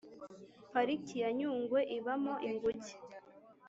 Pariki ya Nyungwe ibamo inguge